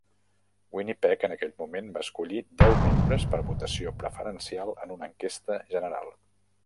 Winnipeg, en aquell moment, va escollir deu membres per votació preferencial en una enquesta general.